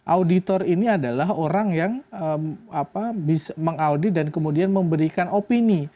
auditor ini adalah orang yang mengaudit dan kemudian memberikan opini